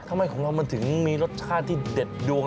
ทำไมของเรามันถึงมีรสชาติที่เด็ดดวง